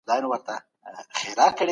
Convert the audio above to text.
زه خندا کوم.